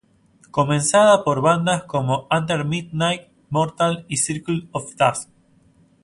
Comenzada por bandas como Under Midnight, Mortal y Circle of Dust.